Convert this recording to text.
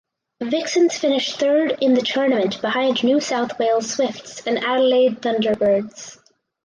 Vixens finished third in the tournament behind New South Wales Swifts and Adelaide Thunderbirds.